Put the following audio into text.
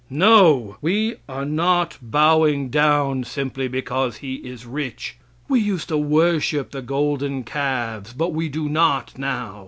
No! We are not bowing down simply because he is rich. We used to worship the golden calves, but we do not now.